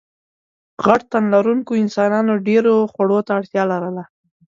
غټ تنلرونکو انسانانو ډېرو خوړو ته اړتیا لرله.